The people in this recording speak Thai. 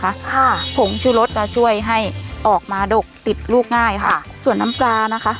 ค่ะผงชูรสจะช่วยให้ออกมาดกติดลูกง่ายค่ะส่วนน้ำปลานะคะ